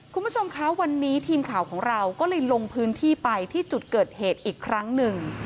คุณผู้ชมคะวันนี้ทีมข่าวของเราก็เลยลงพื้นที่ไปที่จุดเกิดเหตุอีกครั้งหนึ่ง